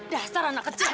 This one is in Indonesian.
bisa anak kecil